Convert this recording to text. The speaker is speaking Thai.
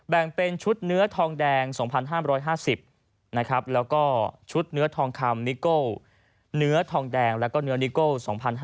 แบ่งเป็นชุดเนื้อทองแดง๒๕๕๐แล้วก็ชุดเนื้อทองคำนิโก้เนื้อทองแดงแล้วก็เนื้อนิโก้๒๕๕๙